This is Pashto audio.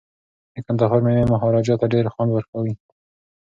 د کندهار میوې مهاراجا ته ډیر خوند ورکوي.